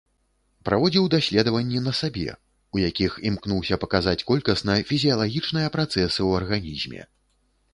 Праводзіў даследванні на сабе, у якіх імкнуўся паказаць колькасна фізіялагічныя працэсы ў арганізме.